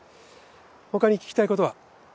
他に聞きたいことは？